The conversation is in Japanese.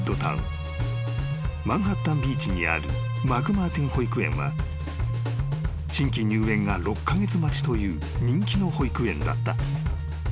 ［マンハッタンビーチにあるマクマーティン保育園は新規入園が６カ月待ちという人気の保育園だった］